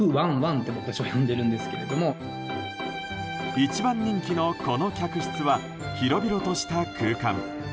一番人気のこの客室は広々とした空間。